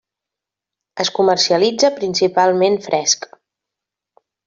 Es comercialitza principalment fresc.